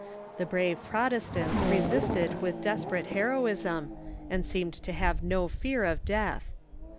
The brave Prot estants resisted with desperate heroism, and seemed to have no fear of death.